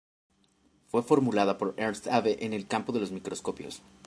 Fue formulada por Ernst Abbe en el campo de los microscopios.